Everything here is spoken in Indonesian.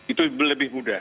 itu lebih mudah